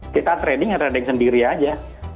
kita trading ada yang sendiri aja